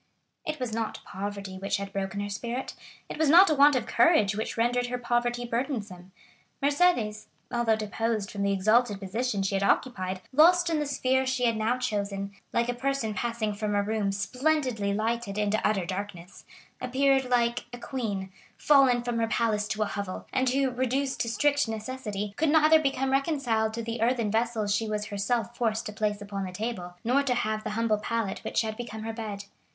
It was not poverty which had broken her spirit; it was not a want of courage which rendered her poverty burdensome. Mercédès, although deposed from the exalted position she had occupied, lost in the sphere she had now chosen, like a person passing from a room splendidly lighted into utter darkness, appeared like a queen, fallen from her palace to a hovel, and who, reduced to strict necessity, could neither become reconciled to the earthen vessels she was herself forced to place upon the table, nor to the humble pallet which had become her bed.